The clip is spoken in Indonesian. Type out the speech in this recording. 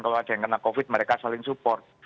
kalau ada yang kena covid mereka saling support